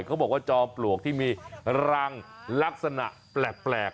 เขาบอกว่าจอมปลวกที่มีรังลักษณะแปลก